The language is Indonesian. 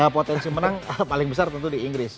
potensi menang paling besar tentu di inggris